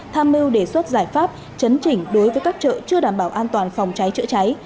tham mưu đề xuất giải pháp chấn chỉnh đối với các chợ chưa đảm bảo an toàn phòng cháy chữa cháy